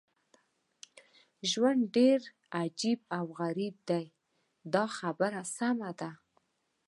ژوند ډېر عجیب او غریب دی دا خبره سمه ده.